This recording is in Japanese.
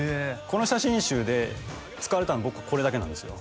この写真集で使われたの僕これだけなんですよ